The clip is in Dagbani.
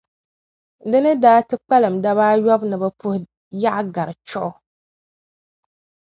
Di ni daa ti kpalim daba ayɔbu ni bɛ puhi Yaɣigari Chuɣu.